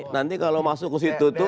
nanti kalau masuk ke situ tuh